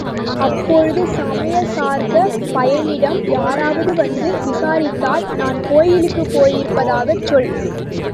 அப்பொழுது சமையற்காரப் பையனிடம், யாராவது வந்து விசாரித்தால் நான் கோயிலுக்குப் போயிருப்பதாகச் சொல்.